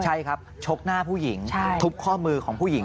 ใช่ครับชกหน้าผู้หญิงทุบข้อมือของผู้หญิง